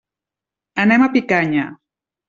Anem a Picanya.